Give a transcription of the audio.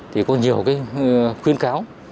thì có nhiều cái khuyên kháo